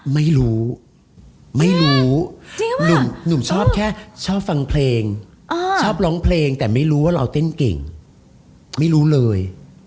ไม่รู้ไม่รู้หนุ่มชอบแค่ชอบฟังเพลงชอบร้องเพลงแต่ไม่รู้ว่าเราเต้นเก่งไม่รู้เลย